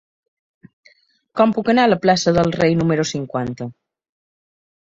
Com puc anar a la plaça del Rei número cinquanta?